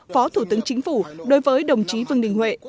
phó thủ tướng chính phủ đối với đồng chí vương đình huệ